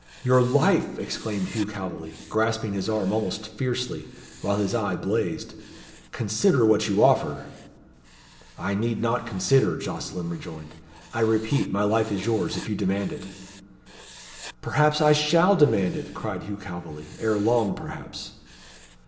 "Your life!" exclaimed Hugh Calveley, grasping his arm almost fiercely, while his eye blazed. "Consider what you offer." "I need not consider," Jocelyn rejoined. "I repeat my life is yours, if you demand it." "Perhaps I shall demand it," cried Hugh Calveley. "Ere long, perhaps."